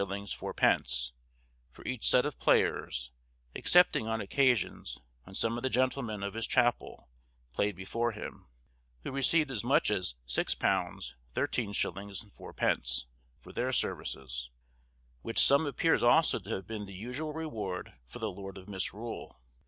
_ for each set of players, excepting on occasions when some of the gentlemen of his chapel played before him, who received as much as £6. 13_s._ 4_d._ for their services, which sum appears also to have been the usual reward for the lord of Misrule.